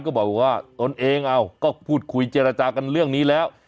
ก็บอกว่าตนเองก็พูดคุยเจรจากันเรื่องนี้แล้ว